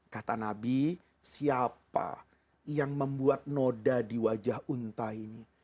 kata nabi siapa yang membuat noda di wajah unta ini